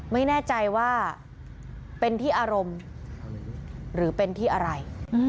ไม่แน่ใจว่าเป็นที่อารมณ์หรือเป็นที่อะไร